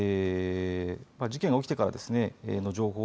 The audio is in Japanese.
事件が起きてからですねの情報